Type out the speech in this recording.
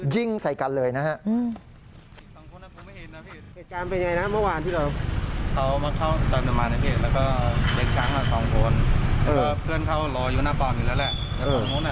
ยิงใส่กันเลยนะฮะ